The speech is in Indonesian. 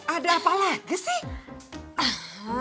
ada apa lagi sih